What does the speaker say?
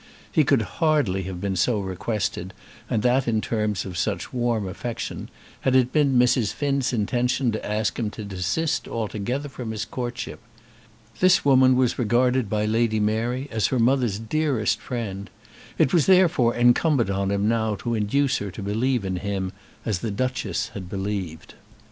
He could hardly have been so requested, and that in terms of such warm affection, had it been Mrs. Finn's intention to ask him to desist altogether from his courtship. This woman was regarded by Lady Mary as her mother's dearest friend. It was therefore incumbent on him now to induce her to believe in him as the Duchess had believed.